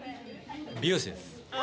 美容師です。